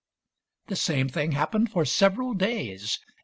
The same thing happened for several days.